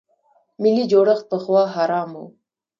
ملي جوړښت پخوا حرام و.